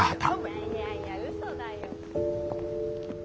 いやいやいやウソだよ。